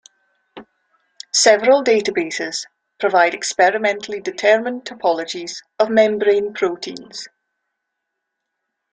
Several databases provide experimentally determined topologies of membrane proteins.